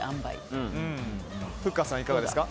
ふっかさん、いかがですか？